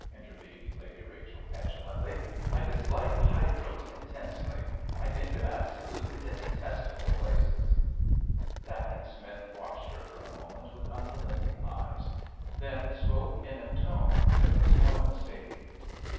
intervened Lady Rachel petulantly. "I dislike hydros intensely; I think them absolutely detestable places!" Dacent Smith watched her for a moment with unrelenting eyes, then spoke in a tone there was no mistaking.